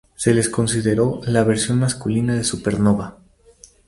Se les consideró la versión masculina de Supernova.